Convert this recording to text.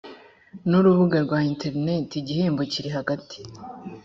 n urubuga rwa interineti igihembo kiri hagati